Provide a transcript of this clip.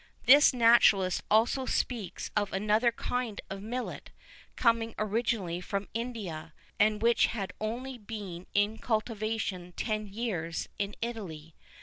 [V 22] This naturalist also speaks of another kind of millet, coming originally from India, and which had only been in cultivation ten years in Italy.